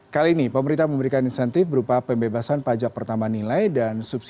kali ini pemerintah memberikan insentif berupa pembebasan pajak pertama